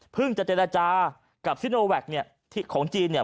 จะเจรจากับซิโนแวคเนี่ยของจีนเนี่ย